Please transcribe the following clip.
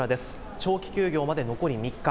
長期休業まで残り３日。